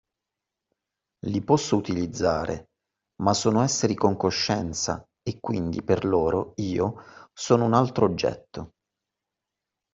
Li posso utilizzare, ma sono esseri con coscienza e quindi per loro io sono un altro oggetto